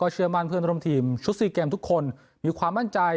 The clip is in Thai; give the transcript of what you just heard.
เชื่อมั่นเพื่อนร่วมทีมชุด๔เกมทุกคนมีความมั่นใจ